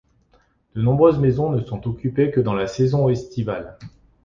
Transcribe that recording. De nombreuses maisons ne sont occupées que dans la saison estivale.